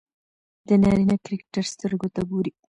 د نارينه کرکټر سترګو ته ګوري